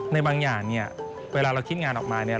ในบางอย่างเนี่ยเวลาเราคิดงานออกมาเนี่ย